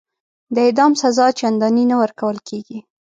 د اعدام سزا چنداني نه ورکول کیږي.